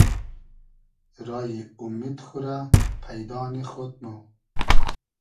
رایی اومید خو رۂ پݷدا نی خۉد مۉ